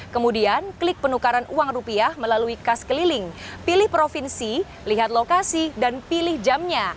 kemudian klik penukaran uang rupiah melalui kas keliling pilih provinsi lihat lokasi dan pilih jamnya